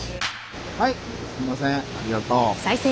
はいありがとう。